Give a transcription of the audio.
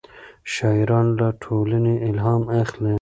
شاعران له ټولنې الهام اخلي.